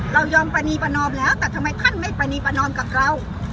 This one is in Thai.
เรายอมปรณีประนอมแล้วแต่ทำไมท่านไม่ประนีประนอมกับเรา